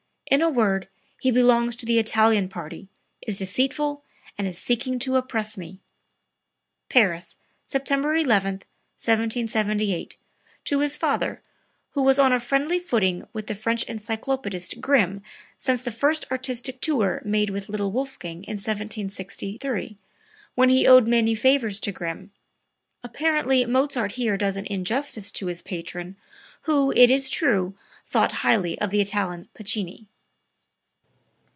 In a word he belongs to the Italian party, is deceitful and is seeking to oppress me." (Paris, September 11, 1778, to his father, who was on a friendly footing with the French encyclopaedist Grimm since the first artistic tour made with little Wolfgang in 1763, when he owed many favors to Grimm. Apparently Mozart here does an injustice to his patron, who, it is true, thought highly of the Italian Piccini.)